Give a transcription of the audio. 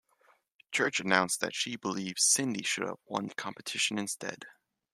Church announced that she believed Cyndi should have won the competition instead.